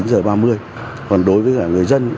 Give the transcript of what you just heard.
còn đối với cả người dân